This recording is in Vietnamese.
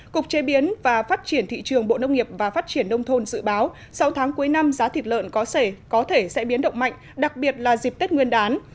cục chế biến và phát triển thị trường bộ nông nghiệp và phát triển nông thôn dự báo sau tháng cuối năm giá thịt lợn có thể sẽ biến động mạnh đặc biệt là dịp tết nguyên đán